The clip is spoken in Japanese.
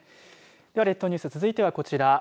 では列島ニュース続いてはこちら。